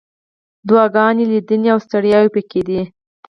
دعاګانې، لیدنې، او ستړیاوې پکې دي.